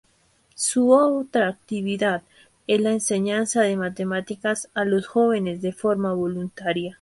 Su otra actividad es la enseñanza de matemáticas a los jóvenes de forma voluntaria.